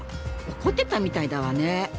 怒ってたみたいだわね。